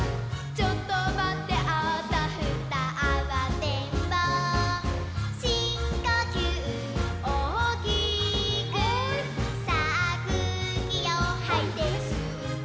「ちょっとまってあたふたあわてんぼう」「しんこきゅうおおきくさあくうきをはいてすって」